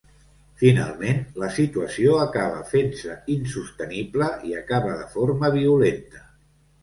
Finalment, la situació acaba fent-se insostenible i acaba de forma violenta.